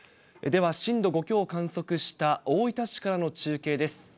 では、震度５強を観測した、大分市からの中継です。